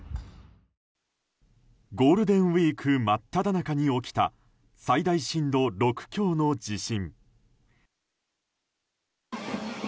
ゴールデンウィーク真っただ中に起きた最大震度６強の地震。